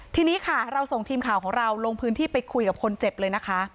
ทีนี้ค่ะเราส่งทีมข่าวของเราลงพื้นที่ไปคุยกับคนเจ็บเลยนะคะ